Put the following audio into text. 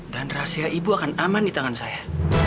dan rahasia ibu akan aman di tangan saya